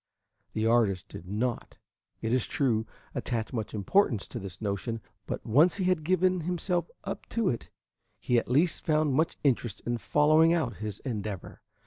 The artist did not, it is true, attach much importance to this notion, but when once he had given himself up to it, he at least found much interest in following out his endeavor.